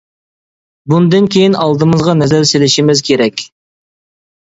بۇندىن كېيىن ئالدىمىزغا نەزەر سېلىشىمىز كېرەك!